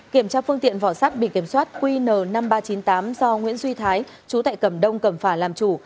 kiểm tra phương tiện vỏ sắt bị kiểm soát qn năm nghìn ba trăm chín mươi tám do nguyễn duy thái chú tại cẩm đông cẩm phả làm chủ